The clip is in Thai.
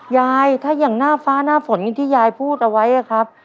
ยายถ้าอย่างหน้าฟ้าหน้าฝนอย่างที่ยายพูดเอาไว้อะครับ